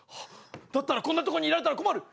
だったらこんなとこにいられたら困る！